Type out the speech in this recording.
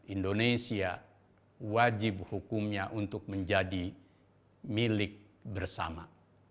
indonesia wajib hukumnya untuk menjadi milik bersama